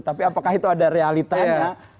tapi apakah itu ada realitanya